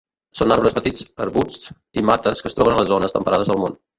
Són arbres petits, arbusts i mates que es troben a les zones temperades del món.